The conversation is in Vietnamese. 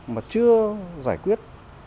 mà chưa giải quyết